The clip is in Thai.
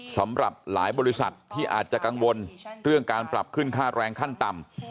สำหรับหลายบริษัทที่อาจจะกังวลเรื่องการปรับขึ้นค่าแรงขั้นต่ำ